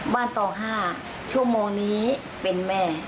บ้านต่อห้าชั่วโมงนี้เป็นแม่